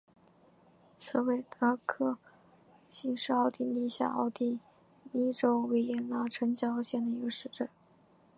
茨韦尔法克兴是奥地利下奥地利州维也纳城郊县的一个市镇。